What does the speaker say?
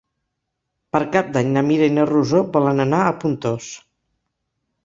Per Cap d'Any na Mira i na Rosó volen anar a Pontós.